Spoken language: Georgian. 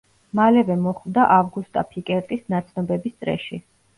მალევე მოხვდა ავგუსტა ფიკერტის ნაცნობების წრეში.